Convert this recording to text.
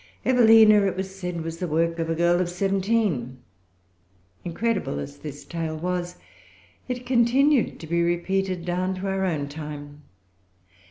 Evelina, it was said, was the work of a girl of seventeen. Incredible as this tale was, it continued to be repeated down to our own time.